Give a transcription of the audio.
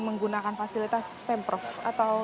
menggunakan fasilitas pemprov atau